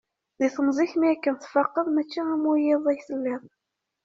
Di temẓi-k mi akken tfaqeḍ, mačči am wiyaḍ ay telliḍ.